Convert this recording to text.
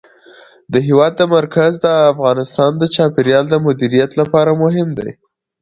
د هېواد مرکز د افغانستان د چاپیریال د مدیریت لپاره مهم دي.